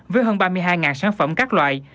với hơn ba mươi hai sản phẩm các loại